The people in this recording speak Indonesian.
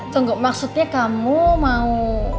tunggu maksudnya kamu mau